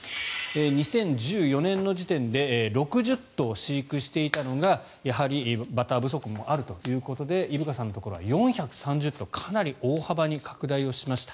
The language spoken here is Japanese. ２０１４年の時点で６０頭飼育していたのがバター不足もあるということで伊深さんのところは４３０頭かなり大幅に拡大をしました。